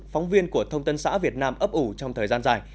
phóng viên của thông tân xã việt nam ấp ủ trong thời gian dài